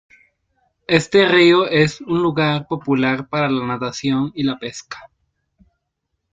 Este río es un lugar popular para la natación y la pesca.